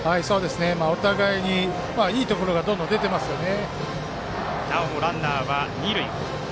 お互いにいいところがどんどん出てますよね。